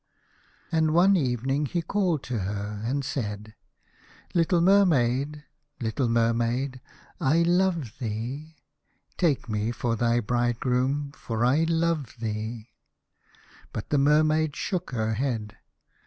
And one evening he called to her, and said: " Little Mermaid, little Mermaid, I love thee Take me for thy bridegroom, for I love thee." But the Mermaid shook her head.